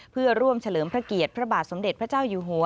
เพื่อร่วมเฉลิมพระเกียรติพระบาทสมเด็จพระเจ้าอยู่หัว